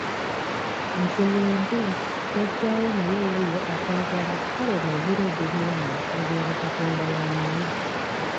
Nze wendi, Jjajjaawo naye wuuyo akwagala kale nno ogira ogumira awo ebirala Katonda y'amanyi.